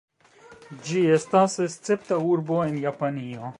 Ĝi estas Escepta urbo en Japanio.